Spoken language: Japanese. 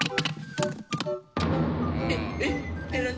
えっえっ何？